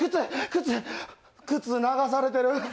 靴、流されてる。